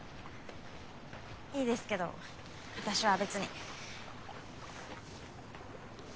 いいですけど私は別に。